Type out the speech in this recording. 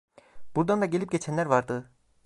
Buradan da gelip geçenler vardı.